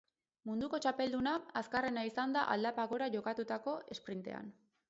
Munduko txapelduna azkarrena izan da aldapan gora jokatutako esprintean.